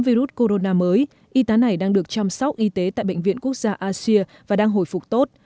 virus corona mới y tá này đang được chăm sóc y tế tại bệnh viện quốc gia asia và đang hồi phục tốt